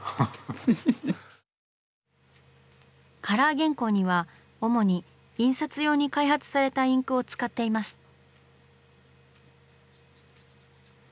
カラー原稿には主に印刷用に開発されたインクを使っています。